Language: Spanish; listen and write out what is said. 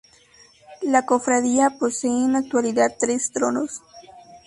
La Cofradía posee en la actualidad tres tronos.